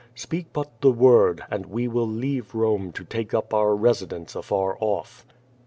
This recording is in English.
Sj>eak but the word, and we will leave Borne to take up our residence afar off."